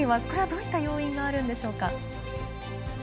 これはどういった要因があるんでしょうか。